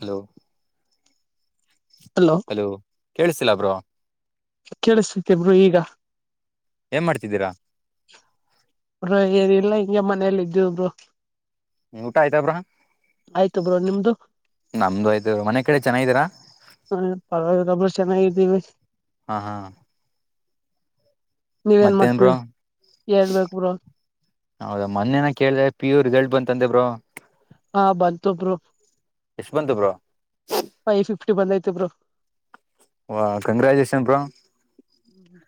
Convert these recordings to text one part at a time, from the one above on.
Hello hello ಕೇಳಸಿಲ್ಲಬ್ರೋ ಕೇಳಿಸತತಿಬ್ರು ಈಗ ಏನ್ ಮಾಡ್ತಿದ್ದೀರಾ ಏರಿಲ್ಲಾ ಹಿಂಗೆ ಮನೇಲ್ಲ ಇದುಬ್ರು ಊಟ ಆಯ್ತಬ್ರ ಆಯ್ತು ಬ್ರೋ ನಿಮ್ದು ನಮ್ದು ಆಯ್ತ ಮನೆ ಕಡೆ ಚೆನ್ನಾಗ್ದೀರಾ? ಪರವಾಗಿಲ್ಲ ಬ್ರೋ ಚೆನ್ನಾಗಿದ್ದೀವಿ. ಹಾ ಹಾ ನೀವ ನ್ ಮತ್ತೇನ್ ಮಾಡ್ತೀವಿ ಬ್ರೋ ಹೇಳ್ಬೇಕು ಹ ಹೌದಾ ಮೊನ್ನೆನ ಕೇಳಿದೆೆ ಪಿ ಯು ರಿಸಲ್ಟ್ ಬಂತಂದೆ ಬ್ರರು ಹಾ ಬಲ್ತರ ್ಟ. ಎಷ್ಟ್ ಬಂತು ಬ್ರೋ ಎ ಬಂದೈತಿಬ್ರು, ಹ ಕಂಗ್ರಾಚುಷನ್ ಬಾ,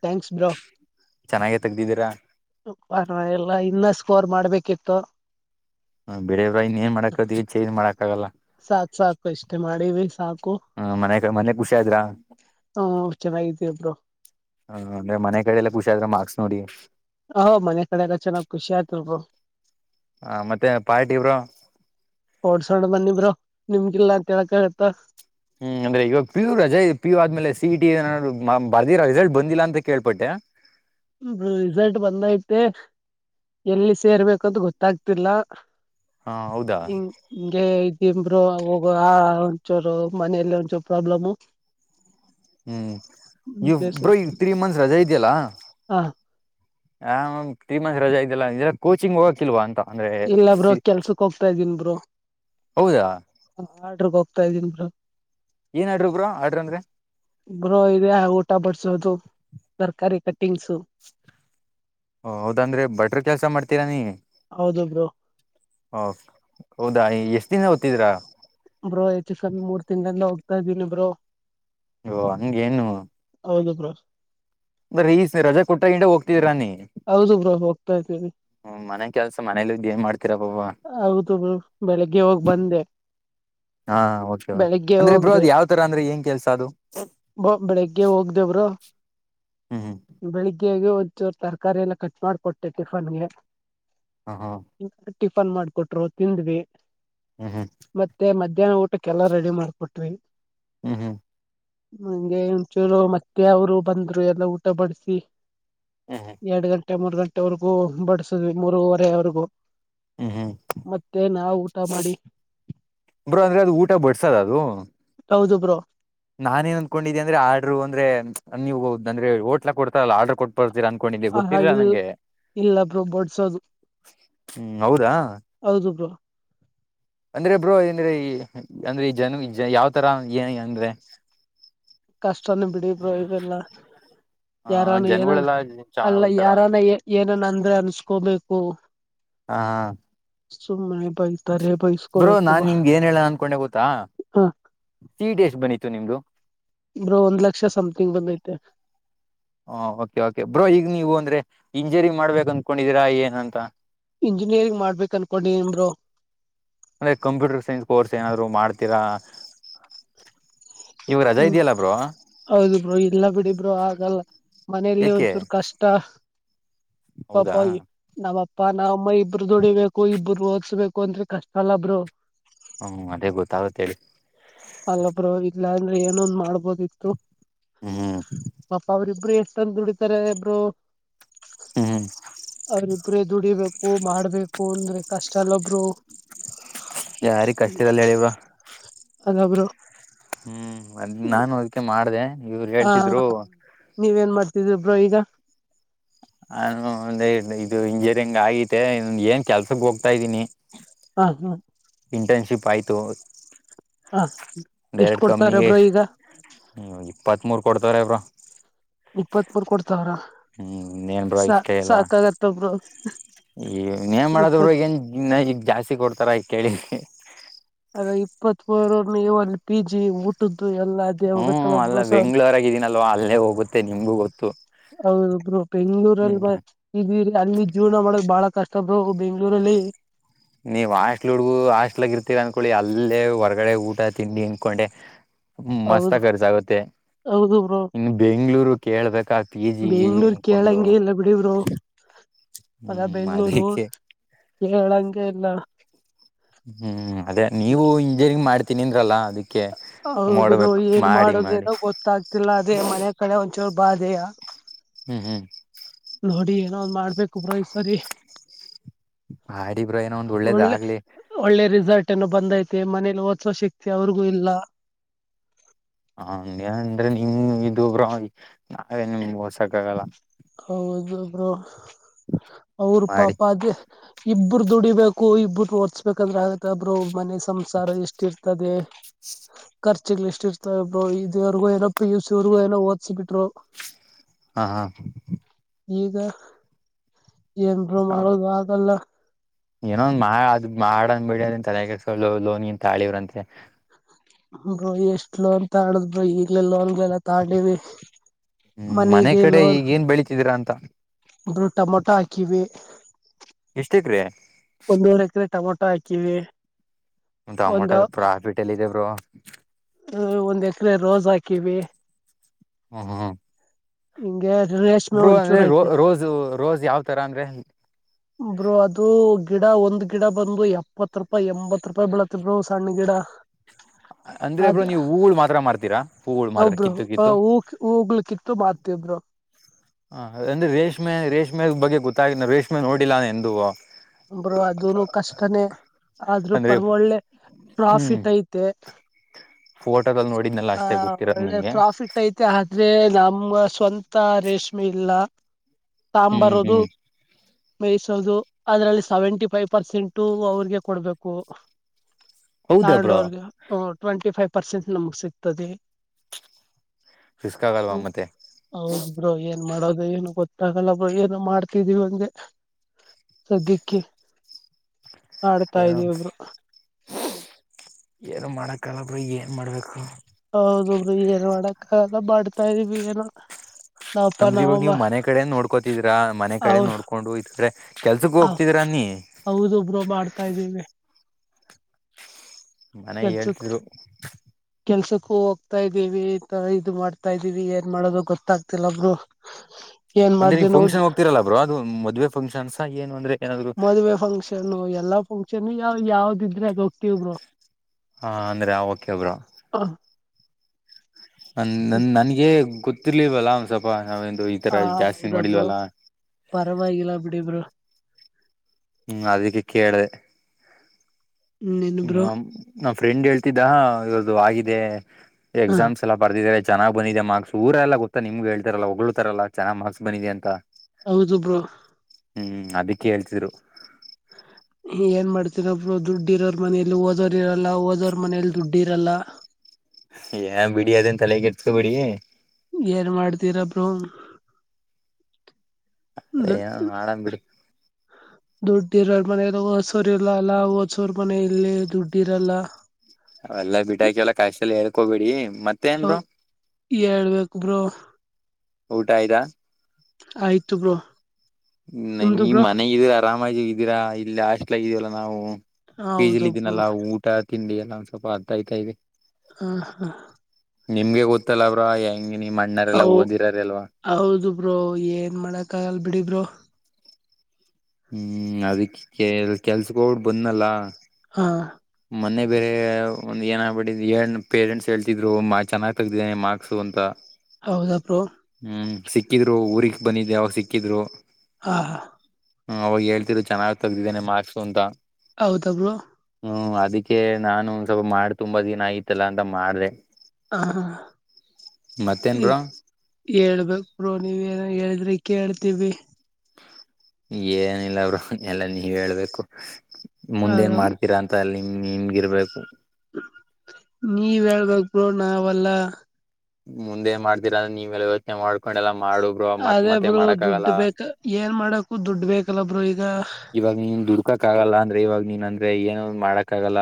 ಥ್ಯಾಂಕ್ಸ್ ಬ್ರೋ. ಚೆನ್ನಾಗೆ ತೆಗ್ದಿದ್ದೀರಾ ಎಲ್ಲ ಇನ್ನ ಸ್ಕೋರ್ ಮಾಡ್ಬೇಕು. ಕೆತ್ತ ಹ ಬೇಡೆಯವ್ರ ಇನ್ ಏನ್ ಮಾಡಕತಿ ಚೇಜ್ ಮಾಡಕ್ ಆಾಗಲ್ಲ ಸಾಕ್ ಸಾಕು ಇಷ್ಟೇ ಮಾಡಿವಿ ಸಾಕು ಹ್ಮ ಮನೆ ಮನೆ ಖುಷಿಿಯ್ರ. ಹ್ಮ್ ಚೆನ್ನಾಗಿದ್ದೀವಿ ಬ್ರೋ ಹ ಅಂದ್ರೆ ಮನೆ ಕಡೆ ಎಲ್ಲ ಖುಷಿ ಆದ್ರೆ ಮಾರ್ಕ್ಸ್ ನೋಡಿ. ಹ ಮನೆ ಕಡೆ ಎಲ್ಲ ಚೆನ್ನಾಗ್ ಖುಷಿ ಆಯ್ತು ಬ್ರೋ ಹಾ ಮತ್ತೆ ಪಾರ್ಟಿ ಇವರು ನಿಮ್ಗೆಲ್ಲಾಂತಳ್ಕಾಗತ್ತ ಹ್ಮ್ ಅಂದ್ರೆ ಇವಾಗ ಪಿ ಯು ರಜೆ ಪಿ ಯು ಆದ್ಮೇಲೆ ಸಿ ಇ ಟಿ ಏನಾದ ಬರ್ದಿ ರಿಸಲ್ಟ್ ಬಂದಿಲ್ಲ ಅಂತ ಕೇಳ್ಪಟ್ಟೆ. ರಿಸಲ್ಟ್ ಬಂದೈತೆ ಎಲ್ಲಿ ಸೇರ್ಬೇಕಂತ ಗೊತ್ತಾಗ್ತಿಲ್ಲ. ಹ ಹಾ ಹೌದಾ ಹಂಗೆ ಇಂ್ರೂವ್ ಹೋಗುವ ಒಂಚೋರು ಮನೆಯಲ್ಲಿ ಒಂಚೂರು ಪ್ರಾಬ್ಲಮು ಹ್ಮ್ ಹಂಗೆ ಇವಬ್್ರೋ ಈ ತ್ರೀ ಮಂತ್ಸ್ ರಜೆಾ ಇದ್ಯಲ್ಲಾ ಹಾ ಹ್ ತ್ರರಿಮಂತ್ ರಜಾ ಇದ್ದಲ್ಲಲ್ಲ ಕೋಚಿಂಗ್ ಹೋಗಕಿಲ್ವಾ ಅಂತ ಅಂದ್ರೆ ಇಲ್ಲ ಬ್ರೋ ಕೆಲ್ಸಕ್ ಹೋಗ್ತಾ ಇದ್ದೀನ್ಿ ಬ್ರರು ಹೌದಾ ಆಡ್ರ ಹೋಗ್ತ. ಗ ಇದಿನಿ ಬ ಏನ್ ಆಡ್ರು ಬ್ರೋ ಆಡ್ರ ಅಂದ್ರೆ ಬ್ರೋ ಇದೆ ಊಟಾ ಬರ್ಸದು ತರಕಾರಿ ಕಟ್ಟ ಹೌದಂದ್ರೆ ಬಟ್ರ ಕೆಲ್ಸ ಮಾಡ್ತೀರ ನೀ ಹೌದು ಬರು ಹ ಹೌದಾ ಎಷ್ಟ ದಿನ ಓ್ತಿದ್ರಾ ಬ್ರೋ ಹೆಚ್ಚು ಕಮ್ಮಿ ಮೂರ್ ತಿಂಗಳಿಂದ ಹೋಗ್ತಾ ಇದ್ದೀನೀ ಬ್ರೋ ಓ ಹಂಗೇನು ಹೌದುಬ್ರೋ ಈ ರಜಾ ಕೋಟಾಗಿಂದ ಹೋಗ್ತಿದ್ರರನಿ ಹೌದು ಬ್ರೋ ಹೋಗ್ತಾ ಇದೀವಿ ಕೆಲಸ ಮನೇಲಿ ಇದ್ದ ಏನ್ ಮಾಡ್ತಿ ಹೌದು ಬೆಳಿಗ್ಗೆ ಹೋಗ ಬಂದೆ ಹಾ ಓಕೆ ಓಕೆ ಬೆಳಗ್ಗೆ ಅಂದ್ರೆ ಬ್ರೋ ಹೋಗ್ದೆ ಅದ್ ಯಾವ್ ತರ ಅಂದ್ರೆ ಏನ್ ಕೆಲ್ಸ ಅದು ಬ್ರೋ ಬೆಳಿಗ್ಗೆ ಹೋದೆ ಬ್ರೋ ಹ್ಮ್ ಬೆಳಿಗ್ಗೆಗೆ ಒ ಒಂದ ಚೂರು ತರಕಾರಿ ಎಲ್ಲಾ ಕಟ್ ಮಾಡಕೊಟ್ಟೆ ಟಿಫನ್ಗೆ ಹಾ ಹಾ ಟಿಫನ್ ಮಾಡ್ಕೊಟ್ರು ತಿಂದ್ವಿ ಹ್ಮ್ ಮತ್ತೆ ಮ ಮಧ್ಯಾಹ್ನ ಊಟಕ್ಕೆ ಎಲ್ಲಾ ರೆಡಿ ಮಾಡ್ಕೊಟಿವಿ ಹೂ ಹೂ ನಂಗೆ ಒಂದ ಚೂರು ಮತ್ತೆ ಅವರು ಬಂದ್ರು ಎಲ್ಲ ಊಟ ಊಟ ಬಡಿಸಿ ಹ್ಮ್ ಹ್ಮ್ ಎರಡು ಗಂಟೆ ಮೂರು ಗಂಟೆವರೆಗೂ ಬಡಸಿದ್ವಿ ಮೂರವರೆವರೆಗೂ ಹೂ ಹೂ ಮತ್ತೆ ನಾವು ಊಟ ಮಾಡಿ ಬ್ರೋ ಅಂದ್ರೆ ಅದು ಊಟ ಬಡ್ಸದ ಅದು ಹೌದು ಬ್ರೋ ನಾನೇನ್ ಅನ್ಕೊಂಡಿದೆ ಅಂದ್ರೆ ಆರ್ಡರು ಅಂದ್ರೆ ನೀವು ಅಂದ್ರೆ ಹೊಟೇಲಾಗ್ ಕೊಡ್ತಾರಲ್ಲ ಆರ್ಡರು ಕೊಟ್ಟ ಬರ್ತೀರ ಅಂತ ಆಹಾ ಇಲ್ಲ ಇಲ್ಲ ಬ್ರೋ ಬಡ್ಸೋದು ಹ್ಮ್ ಹೌದಾ ಹೌದು ಬ್ರೋ ಅಂದ್ರೆ ಬ್ರೋ ಏಂದ್ರೆ ಅಂದ್ರೆ ಈ ಜನ ಯಾವ್ತರ ಏ ಅಂದ್ರೆ ಕಷ್ಟ ಬಿಡಿಬ್ರ ಇವೆಲ್ಲ ಆ ಯಾರಾನ ಏನ ಜನಗಳೆಲ್ಲಾ ಚೆನ್ನಾಗ್ ಅಲ್ಲ ಬರ್ತಾರ ಯಾರಾನ ಏನಾನ ಅಂದ್ರೆ ಅನ್ಸ್ಕೋಬೇಕು ಹ ಸುಮ್ಮನೆೆ ಬೈ ಬ್ರೋ ನಾನ್ ನಿಮ್ಗೆ ಏನ್ ಹೇಳೋಣ ಅನ್ಕೊಂಡೆ ಗೊತ್ತಾ ಹ ಸಿ ಈ ಟಿ ಎಷ್ಟ್ ಬಂದಿತೂ ನಿಮ್ದು ಬ್ರೋ ಒಂದ್ ಲಕ್ಷ ಸಮಥಿಂಗ್ ಬಂದೈತೆ ಹ ಓಕೆ ಓಕೆ ಬ್ರೋ ಈಗ ನೀವು ಅಂದ್ರೆ ಇಂಜಿನಿಯರ್ ಮಾಡ್ಬೇಕ ಅನ್ಕೊಂಡಿದೀರಾ ಏನ್ಂತ ಇಂಜಿನಿಯರಿಂಗ್ ಮಾಡ್ಬೇಕಕ್ ಅನ್ಕೊಂಡಿದೀನಿ ಬ್ರೋ ಅಂದ ಕಂಪ್ಯೂಟರ್ ಸೈನ್ಸ್ ಕೋರ್ಸ್ ಏನಾದ್ರು ಮಾಡ್ತೀರಾ ಇವಾಗ ರಜಾ ಹಾ ಇದೆಯಲ್ಲ ಬ್ರೋ ಹೌದು ಬ್ರೋ ಇಲ್ಲ ಬಿಡಿ ಬ್ರೋ ಆಗಲ್ಲ ಮನೆಯಲ್ಲಿ ಏಕೆ ಒಂಚೂರು ಕಷ್ಟ ಹೌದಾ ಪಪನಾ ನಾಮಪ್ಪ ಪ್ಪಾ ನಾವಮ್ಮ ಇಬ್ರು ದುಡಿಬೇಕು ಇಬರು ಓದಸ್ಬೇಕು ಅಂದ್ರೆ ಕಷ್ಟ ಅಲ್ಲಬ್ರು ಹ್ಮ್ ಅದೇ ಗೊತ್ತಾಗತ್ತೇಳಿ. ಅಲ್ಲೊಬ್ರ ಇಲ್ಲಾ ಅಂದ್ರೆ ಏನೊಂದ್ ಮಾಡ್ಬೋದಿತ್ತು. ಹ್ಮ್ ಪಾಪ ಅವರಿಿಬ್ರು ಎ. ತಂದ ದುಡಿತಾರೆ ಇಬ್ರು. ಹ್ಮ್ ಅವ್ರಿಬ್ಬರೇ ದುಡಿಬೇಕು ಮಾಡ್ಬೇಕು ಅಂದ್ರೆ ಕಷ್ಟ. ಎಲ್ಲೊಬ್ರು. ಯಾರಿಗ್ ಕಷ್ಟರಲ್ಲ ಹೇಳಿವ್ರ. ಅದಬ್ರು. ಹ್ಮ್ ಅದ್ ನಾನು ಅದಕ್ಕೆ ಮಾಡ್ದ. ಹಾ ನೀವೇನ್ ಮಾಡ್ತಿದ್ರಿ. ರೋಹಗ. ನಾನು ಒಂದ ಇದು ಇಂಜಿನಿಯರಿಂಗ್ ಆಗಿತೆ ಏನ್ ಕೆಲ್ಸಕ್ ಹೋಗ್ತಾ ಇದ್ದೀನಿ. ಹ ಹ ಇಂಟರ್ನ್ಶಿಪ್ ಆಯಿತು. ಹ ಎಷ್ಟ್ ಡೈರೆಕ್ಟ್ ಕೊಡ್ತಾರ ಕಂನಿಗೆ ಬ್ರೋ ಈಗ ಇಪ್ಪತ್ತ್ ಮೂೂರು ಕೊಡ್. ತರೇಬ. ಇಪ್ಪತ್ ಮೂರು ಕೊಡ್.. ಎನ್ ರಾಜಕೀಯಪ ಸಾಕಾಗತ್ತ ಬ್ರೋ ಏನೇ ಇಪ್ಪ ಮಾಡಿದರೂ ಏನ್ ಜಾಸ್ತಿ ಕೊಡ್ತಾರೆ ಕೇಳಿ. ಹ. ಆ ಇಪ್ಪತ್ ಮೂರ ನೀವು ಅಲ್ಲಿ ಪಿ ಜಿ ಊಟದ್ದ. ಎಲ್ಲ ಅದೇ ಹ್ಮ್ ಹೋಗತ್ತಲ್ಲ ಅಲ್ಲ ಒಬ್ರು ಸ ಬೆಂಗ್ಳೂರಾಗಿದ್ದೀನಲ್ವಾ ಅಲ್ಲೇ ಹೋಗುತ್ತೆ ನಿಮ್ಗೂ ಗೊತ್ತು ಹೌದೊಬ್ರು ಬೆಂಗ್ಗಳೂರಲ್ಲಿ ಹ್ಮ್ ಇದರಿ ಅಲ್ಲಿ ಜೀವನ ಮಾಡಕ್ ಬಾಳ. ಅಷ್ಟೊಂದು ಬೆಂಗಳೂರಿನಲ್ಲಿ. ನೀವ್ ಹಾಸ್ಟೆಲ್ ಹುಡುಗರು ಹಾಸ್ಟೆಲ್ ತಿಳ್ಕೋತೀರಾ ಅನ್ಕೊಳ್ಳಿ ಅಲ್ಲೇ ಹೊರ್ಗಡೆ ಊಟ ತಿಂಡಿ ಇಂಕೊಂಡೆ. ಮಸ್ತ ಹೌದು ಕರ್ಸ ಆಗುತ್ತೆ ಹೌದು ಬ್ರೋ ಇನ್ ಬೆಂಗಳೂರು ಕೇಳ್ಬೇಕಾ ಪಿ ಜಿ ಬೆಂಗ್ಳೂರ್ ಅನ್ಕೊಂಡು ಕೇಳಂಗೆ ಇಲ್ಲ ಬಿಡಿ ಬ್ರೋ ಹ್ಮ ಅದಕ್ಕೆ. ಕೇಳಂಂಗ ಇಲ್ಲ. ಹ್ಮ್ ಅದೇ ನೀವು ಇಂಜಿನಿಯರಿಂಗ್ ಮಾಡ್. ತಿನ್ನಿಂದ್ರಲ್ಲಾ ಅದಕ್ಕೆ. ಹಬ್ರು ನೋಡ್ಬೇಕು ಏನ್ ಮಾಡಿ ಮಾಡಿ ಮಾಡೋದೇನೋ ಗೊತ್ತಾಗ್ತಿಲ್ಲ ಅದೇ ಮನೆ ಕಡೆ ಒಂದಚೋರು. ಬಾಾದೆಯ. ಹ್ಮ್ ಹ್ಮ್ ನೋಡಿ ಏನಾದ್ ಮಾಡ್ಬೇಕು ಬ್ರೋ ಈ ಸರಿ. ಮಾಡಿ ಬ್ರೋ ಏನೋ ಒಂದ್ ಒಳ್ಳೇದ ಒಳ್ಳೆ ಆಗ್ಲಿ ಒಳ್ಳೆ ರಿಸಲ್ಟ್ ಏನೋ ಬಂದೈತ. ಮತ್ತೆ ಮನೇಲಿ ಓದಸೋ ಶಕ್ತಿ ಅವ್ರಿಗೂ ಇಲ್ಲ. ಹ ಅಂದ್ರೆ ನಿಮ್ ಇೊಬ್ರ ನಾವೆ ನಿಮ್ಗೆ ಹೊಓಸಕ್ ಆಗಲ್ಲ. ಹೌದು ಬ್ರೋ. ಅವರು ಮಾಡಿ ಪಾಪ ಅದೇ. ಇಬ್ಬರು ದುಡಿಬೇಕು ಇಬ್ಬರು ಓರ್ಸ್ಬೇಕಂದ್ರೆ ಆಗತ್ತೆ ಬ್ರೋ ಮನೆಸ. ಸಂಸಾರ ಎಷ್ಟ ಇರ್ತದೆ ಕರ್ಚ. ಎಷ್ಟ ಇರ್ತಬ್ರು ಇದವರ್ಗೂ ಏನ ಪಿ ಯು ಸಿವರ್ಗ ಏನೋ ಓದಸಿಬಿಟ್ರು ಹಾ ಹಾ ಈಗ ಏನ್ರೋ ಬರೋದು ಆಗಲ್ಲ ಏನೊಂದ ಮಾಡ ಅದ ಮಾಡಂದ್ ಬಿಡಿ ಅದನ್ ತಲೆ ಕೆಸು ಲೋನ್ ತಾಳಿವ್ರಂತೆ ಬ್ರ ಎಷ್ಟ ಲೋನ್ ತ ಆಡುದ್ ಬ್ರ ಇಲ್ಲ ಲೋನ್ ಎಲ್ಲ ತಗೊಂಡೀವಿ ಹ್ಮ್ ಮನೆ ಕಡೆ ಮನೆಗೆಲ್ಲೋರ್ ಈಗೇನ್ ಬೆಳಿತಿದೀರಾ ಅಂತ ಬ್ರೂ ಟಮೊಟಾ ಹಾಕಿವೆ ಎಷ್ಟ ಎಕರೆ ತ ಹಾಕವಿ ಟೊಮ್ಯಾಟೋ ಪ್ರಾಫಿಟ್ ಎಲ್ಲಿದೆ ಹ ಹ ಒಂದು ಎಕ್ರೆ ರೋಸ್ ಹಾಕಿವಿ ಹ್ಮ್ ಹ್ಮ ಹ್ಮ ಹಿಂಗೆ ರೇಷ್ಮೆ ಬ್ರೋ ಅಂದ್ರೆ ಒಂಚೂರು ಐತೆ ರೋಜು ರೋಜು ಯಾವ ತರ ಅಂದ್ರೆ ಬ್ರೋ ಅದು ಗಿಡ ಒಂದ್ ಗಿಡ ಬಂದು ಎಪ್ಪತ್ ರೂಪಾಯಿ ಎಂಬತ್ ರೂಪಾಯಿ ಬೆಳತ್ತರಿ ಬರು ಸಣ್ಣ ಗಿಡ ಅಂದ್ರೆ ಅದ ಬ್ರೋ ನೀವು ಹೂಗಳು ಮಾತ್ರ ಮಾರ್ತೀರಾ ಹೂಗಳು ಮಾತ್ರ ಹೌದು ಕಿತ್ತು ಹ ಕಿತ್ತು ಹ ಅದ್ರೆ ರೇಷ್ಮೆ ರೇಷ್ಮೆ ಬಗ್ ಗೊತ್ತ್ನ ರೇಷ್ಮೆ ನೋಡಿಲ್ಲಾನ ಎಂದ ಬ್ರೋ ಅದನು ಕಷ್ಟನೇ ಆದ್ರೂ ಅಂದ್ರೆ ಪರ ಒಳ್ಳೆ ಹ್ಮ್ ಪ್ರಾಫಿಟ್ ಐತೆ ಫೋಟೋದಲ್ಲಿ ನೋಡಿದ್ನಲ್ಲ ಹ ಅಷ್ಟೇ ಗೊತ್ತಿರೋದು ಒಳ್ಳೆ ನನ್ಗೆ ಪ್ರಾಫಿಟ್ ಐತೆ ಆದ್ರೆ ನಮ್ಮ ಸ್ವಂತ ರೇಷ್ಮೆ ಇಲ್ಲ ಹ್ಮ್ ತಾಂಬರುದು ಹ್ಮ್ ಮಸೋದು ಅದ್ರಲ್ಲಿ ಸೆವೆಂಟಿ ಫೈವ್ ಪರ್ಸೆಂಟು ಅವ್ರಿಗೆ ಕೊಡ್ಬೇಕು ಹೌದಾ ಬ್ರೋ ತಗೊಂಡೋರ್ಗೆ ಹ ಟ್ವೆಂಟಿ ಫೈವ್ ಪರ್ಸೆಂಟ್ ಪರ್ಸೆಂಟ್ ನಮ್ಗೆ ಸಿಗ್ತದೆ ರಿಸ್ಕ್ ಆಗಲ್ವಾ ಮತ್ತೆ ಹೌದು ಬ್ರೋ ಏನ್ ಮಾಡೋದು ಏನು ಗೊತ್ತಾಗಲ್ಲ ಏನು ಮಾಡ್ತಿದೀವಿ ಒಂಗೆ ಸದ್ಯಕ್ಕೆ ಆಡ್ತಾ ಏನು ಇದೀವಿ ಬ್ರೋ ಏನು ಮಾಡಕ್ಕಾಗಲ್ಲ ಬ್ರೋ ಏನ್ ಮಾಡಬೇಕು ಹೌದದು ಏನ್ ಮಾಡಕ್ಕಾಗಲ್ಲ ಮಾಡ್ತಾ ಇದೀವಿ ಏನು ಅಂದ್ರೆ ಇವಾಗ ನೀವ್ ಮನೆ ಕಡೆ ನೋಡ್ಕೋತಿದ್ರ ಮನೆ ಕಡೆ ಅವ ನೋಡ್ಕೊಂಡು ಇದ್ ಕಡೆ ಕೆಲ್ಸಕ್ಕ ಹೋಗ್ತಿದ್ರ ಅನ್ನಿ ಹೌದೊಬ್ರು ಮಾಡ್ತಾ ಇದೀವಿ ಮನೆ ಕೆಲ್ಸಕ್ ಹೇಳ್ತಿದ್ರು ಕೆಲ್ಸಕ್ಕೂ ಹೋಗ್ತಾ ಇದ್ದೀವಿಥರ ಇದು ಮಾಡ್ತಾ ಇದೀವಿ ಏನ್ ಮಾಡೋದು ಗೊತ್ತಾಗ್ತಿಲ್ಲ ಬ್ರೋ ಏನ್ ಅಂದ್ರೆ ಮಾಡ್ದ ನೀವು ನೋ ಫಂಕ್ಷನ್ ಹೋಗ್ತಿರಲ್ಲ ಬ್ರೋ ಅದುದ್ವೆೆಫಕ್ಷನ್ ಮದುವೆ ಫಂಕ್ಷನ್ ಎಲ್ಲಾ ಫಕ್ಷ ಚನ ಯಾವ ಯಾವ್ದ ಇದ್ರೆ ಅದು ಹೋಗ್ತವರು ಹಾ ಅಂದ್ರೆ ಹ ಓಕೆ ಬ್ರೋ ನನಗೆ ಗೊ ಗೊತ್ತಿರ್ಲಿಲ್ಲವಲ್ಲ ಸ್ವಲ್ಪ ನಾವಂದು ಈ ತರ ಹ ಜಾಸ್ತಿ ಹೌದ ಬರು ನೋಡಿಲ್ವಲ್ಲ ಪರವಾಗಿಲ್ಲ ಬಿಡಿ ಬ್ರೋ ಹ್ಮ್ ಅದಕ್ಕೆ ಕೇಳಿದೆ ಇನ್ನೇನ್ ಬ್ರೋ ಹ ಫ್ರೆಂಡ್ ಹೇಳ್ತಿದ್ದ ಇವದು ಆಗಿದೆ ಹ ಎಕ್ಸಾಮ್ಸ್ ಎಲ್ಲ ಬರ್ದಿದಿದ್ದಾರೆ ಚೆನ್ನ್ ಬಂದಿದೆ ಮಾರ್ಕ್ಸ್ ಊರ ಎಲ್ಲ ಗೊತ್ತಾ ನಿಮ್ಗೆ ಹೇಳ್ತಾರಲ್ಲ ಹೊಗಗಳಳ್ತಾರಲ್ಲ ಚನ್ನಾಗ ಮಾರ್ಕ್ಸ್ ಬಿದೆ ಅಂತ ಹೌದು ಬ್ರೋ ಹ್ಮ್ ಅದಿಕ್ಕೆ ಹೇಳ್ತಿರದು ಏನ್ ಮಾಡ್ತನಬ್ರು ದುಡ್ಡಿ ಇರೋರ್ ಮನಲಿ ಓದೋರ್ ಇರಲ್ಲ ಓದೋರ್ ಮನೇಲಿ ದುಡ್ಡಿ ಇರಲ್ಲ ಏ ಬಿಡಿ ಅದನ್ ತಲೆ ಕೆ ಎಸ್ಕೊ ಬಿಡಿ ಏನ್ ಮಾಡ್ತೀರ ಬ್ರೋ ಅೇಏ ಮಾಡಾಮ ಬಿಡಿ ದುಡ್ಡಿರಲ್ ಮನ ಓದುಸೋರು ಇಲ್ಲ ಅಲ್ಲ ಹೊಸೂರ್ ಮನೆ ಇಲ್ಲಿ ದುಡ್ಡಿ ಇರಲ್ಲ ಅವೆಲ್ಲ ಬಿಟಾಕ ಎಲ್ಲ ಕಾಯಲ್ಲ ಹೇಳ್ಕೊಬೇಡಿ ಹ ಹೇಳ್ಬೇಕುಬ ಊಟ ಆಯ್ತಾ ಆಯ್ತು ಬ್ರೋ [unintelligible] ್ಮ ನಿಮ್ದು ನೀ್ ಬ್ರೋ ಮನೆ ಇದರ [inaudible] ರಾಮಾಜಿ ಇದ್ದೀರಾ ಇಲ್ಲಿ ಹಾಸ್ಟ್ಲ್ ಆಗಿದೀವಲ್ಲ ನಾವು ಬೀಜ್ಲಿ ಹೌದು ಬ್ರೋ ಇದಿದ್ದೀನಲ್ಲಾ ಊಟ ತಿಂಡಿ ಎಲ್ಲ ಒಂದ ಸ್ವಲ್ಪ ಅರ್ತ ಆಯತ ಇದೆ ಹಾ ಹಾ ನಿಮ್ಗೆ ಗೊತ್ತಲ್ಲ ಅವ್ರ ಹೆಂಗ ನಿಮ್ ಅಣ್ಣರೆಲ್ಲಾ ಹ ಓದಿರಾರಲ್ವಾ ಹೌದು ಬ್ರೋ ಏನ್ ಮಾಡಕ ಆಗಲ್ ಬಿಡಿ ಬ್ರೋ ಹ್ಮ್ ಅದಕ್ಕೆ ಕೆ ಕೆಲ್ಸಕ್ಕೋಡ್ ಬಂದಲ್ಲ ಹಾ ಮೊನ್ನೆ ಬೇರೆ ಒಂದು ಏನಾಗಬಿಟ್ಟು ಏ ಪೇರೆಂಟ್ಸ್ ಹೇಳ್ತಿದ್ರು ಚೆನ್ನಾಗ್ ತಗ್ದಿದ್ದನೆ ಮಾರ್ಕ್ಸು ಅಂತ ಹೌದ ಬ್ರೋ ಹ್ಮ್ ಸಿಕ್ಕಿದ್ರು ಊರಿಗೆಗ್ ಬಂದಿದ್ದ ಯಾವ ಸಿಕ್ಕಿದ್ರು ಹಾ ಹಾ ಹ ಅವಾಗ ಹೇಳ್ತತಿರು ಚನ್ನಾಗ್ ತೆಗ್ದಿದ್ದೇನೆ ಮಾರ್ಕ್ಸು ಅಂತ ಹೌದ ಬ್ರೋ, ಹ್ಮ್ ಅದಕ್ಕೆ ನಾನು ಸ್ವಲ್ಪ ಮಾಡಿ ತುಂಬಾ ದಿನ ಆಯತಲ್ಲ ಅಂತ ಮಾದೆ, ಹ್ಮ ಮತ್ತೇನ್ ಬ್ರೋ ಹೇಳ್ಬೇಕಕ್ೋ ನೀವ ಏನ ಹೇಳಿದ್ರಿ ಕೇಳ್ತೀವಿ, ಏನಿಲ್ಲ ಅವರು ಎಲ್ಲ ನೀವ್ ಹೇಳ್ಬೇಕು, ಅ ಮುಂದೇಏನ್ ಮಾಡ್ತೀರಾ ಅಂತ ಅಲ್ಲಿ ನಿಮ್ಗಿರ್ಬೇಕು ನೀವ್ ಹೇಳ್ಬೇಕ ಬ್ರೋ ನಾವಲ್ಲ, ಮುಂದೆ ಮಾಡ್ತೀರ ಅೆ ನೀವ ಯೋಚನೆ ಮಾಡ್ ಕೊಂಡೆಲ್ಲಾ ಮಾಡು ಬ್ರೋ ಮತ್ ಅದೇ ಮತ್ತೆ ಬ್ರೋ ಮಾಡಕ್ ಆಗಲ್ಲ ದುಡ್ಡು ಬೇಕ ಏನ್ ಮಾಡಕು ದುಡ್ ಬೇಕಲ್ಲ ಬ್ರೋ ಇದು ಇವಾಗ ನೀ ದುಡ್ ಹಕ್ಕಗಲ್ಲ ಅಂದ್ರೆವಾಗ ನೀನ್ ಅಂದ್ರೆ ಏನು ಮಾಡಕ್ ಕಾಗಲ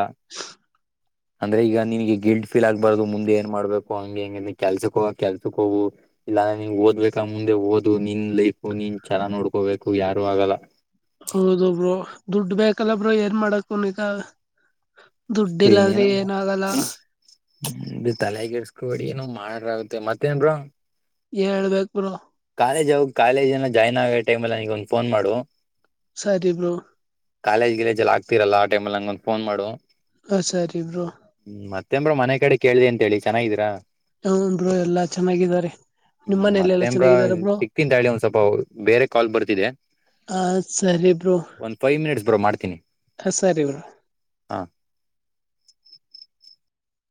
ಅಂದ್ರೆ ಈಗ ನಿನ್ಗೆ ಗಿಲ್ಟ್ ಫೀಲ್ ಆಗ್ಬಾರದು ಮುಂದೆ ಏನ್ ಮಾಡ್ಬೇಕು ಹಂಗೆ ಇಂಗೆ ನಿನ್ ಕೆಲ್ಸಕ್ ಹೋಗ ಕೆಲ್ಸಕ್ ಹೋಗು ಇಲ್ಲಾಂದೆ ನೀನ್ ಓದ್ಬೇಕ ಮುಂದೆ ಓದು ನಿನ್ ಲೈಫು ನೀನ್ ಚೆನಾಗಿ ನೋಡ್ಕೋಬೇಕು ಯಾರು ಆಗಲ್ಲ. ಹೌದ ಬ್ರೋ ದುಡ್ಡು ಬೇಕಲ್ಲ ಬ್ರೋ ಏನ್ ಮಾಡಕುನು ಈಗ ದುಡ್ಡಿಲ್ಲಾದ್ರೆ ಏನಾಗಲ್ಲ. ಬಿಡಿ ತಲೆಗಿಡಸ್ಕೋಬೇಡಿ ಏನ ಮಾಡ್ರ ಆಗುತ್ತೆ ಮತ್ತೇನ್ ಬ್ರೋ ಹೇಳ್ಬೇಕ್ ಬ್ರೋ ಕಾಲೇಜ್ ಹೋಗಿ ಕಾಲೇಜ್ನ ಜಾಯ್ನ್ ಆಗೋ ಟೈಮ್ ನಗ ಒಂದ ಫೋನ್ ಮಾಡು, ಸರಿ ಬ್ರೋ ಕಾಲೇಜ್ ಗಿಲೇಜ್ ಆಗ್ತಿರಲ್ಲ ಆ ಟೈಮಲ್ಲಿ ನಗೊಂದು ಫೋನ್ ಮಾಡು. ಅ ಸರೀ ಬ್ರೋ, ಮಾತೇನ್ ಬ್ರೋ ಮನೆ ಕಡೆ ಕೇಳ್ದಿದೆ ಅಂತೇಳಿ ಚೆನ್ನಾಗಿದೀರ. ಹ ಹ್ಹೋ ಬ್ರೋ ಎಲ್ಲಾ ಚೆನ್ನಾಗಿದ್ದಾರೆ ನಿಮ್ಮ್ ಮನೆಲ್ ಎಲ್ಲ. ಸಿಂತ ಹೇಳಿ ಓನ್ ಸ್ವಲ್ಪ ಬೇರೆ ಕಾಲ್ ಬರ್ತಿದೆ ಹ ಸರಿ ಬ್ರೋ ಒಂದ್ ಫೈವ ಮಿನಿಟ್ ಬ್ರೋ ಮಾಡ್ತನಿ. ಹ ಸರಿ ಬ್ರೋ